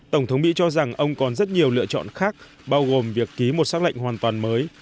tổng thống mỹ cho rằng ông còn rất nhiều lựa chọn khác bao gồm việc ký một xác lệnh hoàn toàn mới